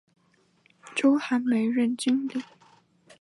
周寒梅任经理。